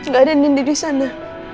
gak ada nindy disana